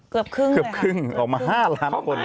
เกือบครึ่งเกือบครึ่งออกมา๕ล้านคน